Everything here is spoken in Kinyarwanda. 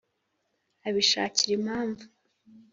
abishakira impamvu !